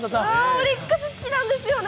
オリックス好きなんですよね。